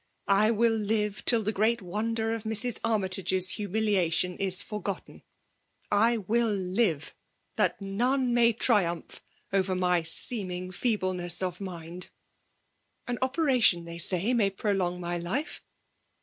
I will live till the great wonder of Mrs. Armytage's humiliation is forgotten ; I will live, that none may triumph over my seem* ing feebleness of mind ! An operation, they say, may prolong my life.